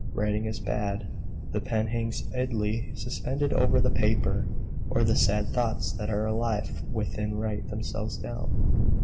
Writing is bad. The pen hangs idly suspended over the paper, or the sad thoughts that are alive within write themselves down.